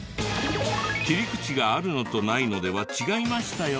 切り口があるのとないのでは違いましたよね？